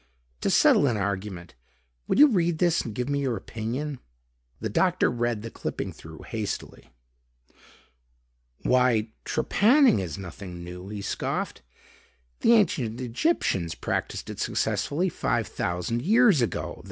"To settle an argument, would you read this and give me your opinion?" The doctor read the clipping through hastily. "Why trepanning is nothing new," he scoffed. "The ancient Egyptians practiced it successfully five thousand years ago.